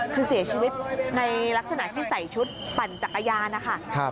คือเสียชีวิตในลักษณะที่ใส่ชุดปั่นจักรยานนะคะ